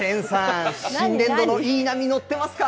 新年度のいい波、乗ってますか？